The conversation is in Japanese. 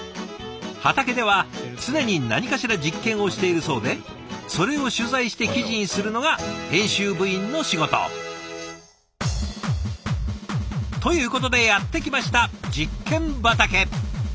畑では常に何かしら実験をしているそうでそれを取材して記事にするのが編集部員の仕事。ということでやって来ました実験畑。